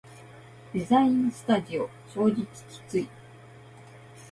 デザインスタジオ正直きつい